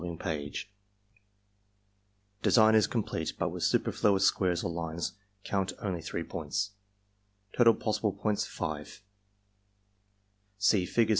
If design is complete but with superfluous squares o count only 3 points. Total possible points, 5. See Fig.